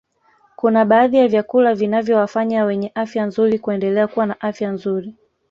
Kuna baadhi ya vyakula vinavyowafanya wenye afya nzuri kuendelea kuwa na afya nzuri